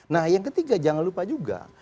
nah yang ketiga jangan lupa juga